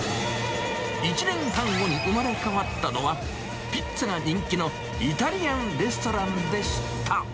１年半後に生まれ変わったのは、ピッツァが人気のイタリアンレストランでした。